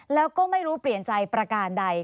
แล้วก็ไม่รู้เปลี่ยนใจประการใด